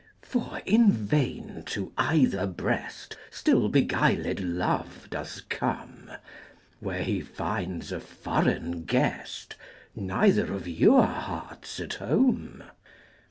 For in vain to either breast Still beguiled love does come, Where he finds a foreign guest, Neither of your hearts at home.